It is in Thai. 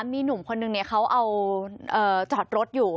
มีหนุ่มคนนึงเขาเอาจอดรถอยู่